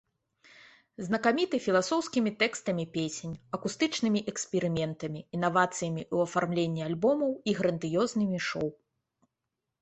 Знакаміты філасофскімі тэкстамі песень, акустычнымі эксперыментамі, інавацыямі ў афармленні альбомаў і грандыёзнымі шоу.